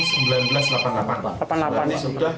sudah tiga puluh tahun